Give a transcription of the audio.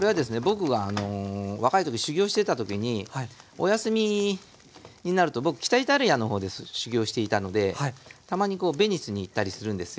僕が若い時修業してた時にお休みになると僕北イタリアのほうで修業していたのでたまにこうベニスに行ったりするんですよ